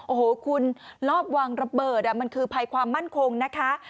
โอ้โหคุณรอบวางระเบิดมันคือภัยความมั่นคงนะคะ